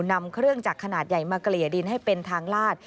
นำเครื่องจักรขนาดใหญ่มาเกลี่ยดินให้เป็นทางลาด